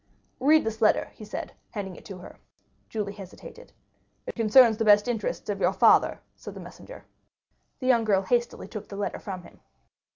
"Read this letter," he said, handing it to her. Julie hesitated. "It concerns the best interests of your father," said the messenger. The young girl hastily took the letter from him.